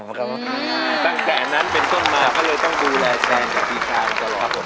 ตั้งแต่นั้นเป็นต้นมาเขาเลยต้องดูแลแซนพี่ปีชาครับผม